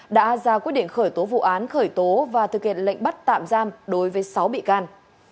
đã ra quyết định khởi tố vụ án khởi tố và thực hiện lệnh bắt tạm giam đối với sáu bị can